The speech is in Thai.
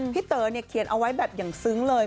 พี่เต๋อเขียนเอาไว้แบบอย่างซึ้งเลย